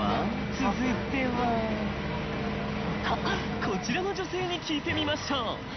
あっこちらの女性に聞いてみましょう。